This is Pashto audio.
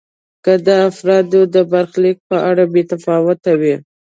که د افرادو د برخلیک په اړه بې تفاوت وي.